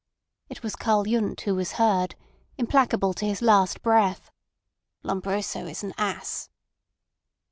It was Karl Yundt who was heard, implacable to his last breath. "Lombroso is an ass."